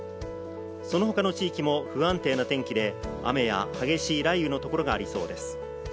その他の地域も不安定な天気で雨や激しい雷雨のところがありそうです。